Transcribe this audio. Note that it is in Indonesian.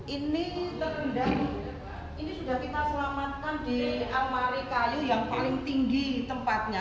ini sudah kita selamatkan di almari kayu yang paling tinggi tempatnya